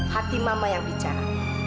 hati mama yang bicara